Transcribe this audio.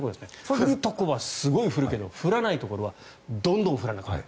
降るところはすごい降るけど降らないところはどんどん降らなくなる。